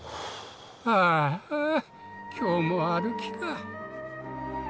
ああ今日も歩きか。